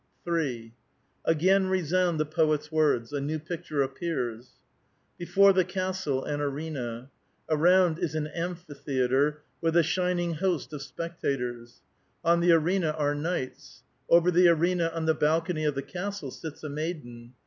3 Again resound the poet's words. A new picture ap pears :— Before the castle, an arena. Around is an amphitheatre, with a shining host of spectators. On the arena are knights. Over the arena, on the balcony of the castle, sits a maiden.